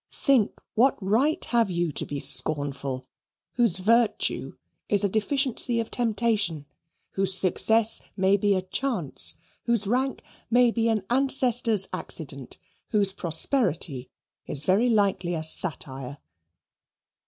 Think, what right have you to be scornful, whose virtue is a deficiency of temptation, whose success may be a chance, whose rank may be an ancestor's accident, whose prosperity is very likely a satire.